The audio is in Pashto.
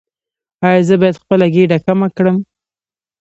ایا زه باید خپل ګیډه کمه کړم؟